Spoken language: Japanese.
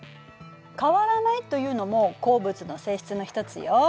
変わらないというのも鉱物の性質の一つよ。